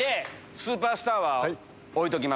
スーパースターは置いときま